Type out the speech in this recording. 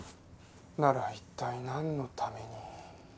なら一体なんのために。